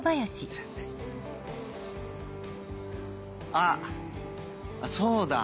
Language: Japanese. あっそうだ。